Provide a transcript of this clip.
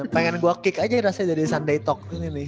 pengen gue kick aja rasanya dari sunday talk ini nih